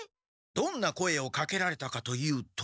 どんな声をかけられたかというと。